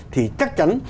thì chắc chắn